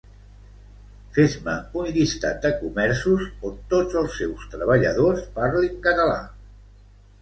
Fes-me un llistat de comerços on tots els seus treballadors parlin català